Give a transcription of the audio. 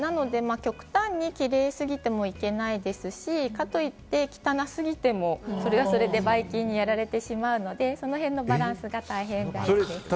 極端にキレイすぎてもいけないですし、かといって汚すぎても、それはそれで、ばい菌にやられてしまうので、その辺のバランスが大変ですね。